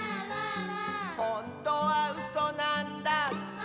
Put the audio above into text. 「ほんとはうそなんだ」